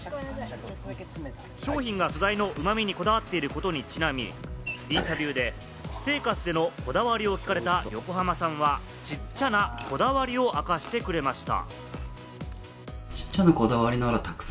商品が素材のうま味にこだわっていることにちなみ、インタビューで私生活でのこだわりを聞かれた横浜さんはちっちゃなこだわりを明かしてくれました。